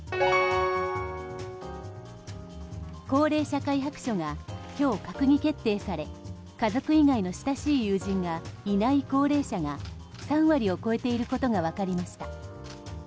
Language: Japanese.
高齢社会白書が今日、閣議決定され家族以外の親しい友人がいない高齢者が３割を超えていることが分かりました。